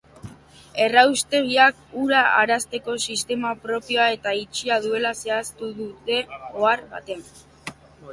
Erraustegiak ura arazteko sistema propioa eta itxia duela zehaztu dute ohar batean.